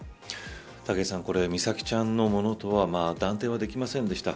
武井さん美咲ちゃんのものとは断定はできませんでした。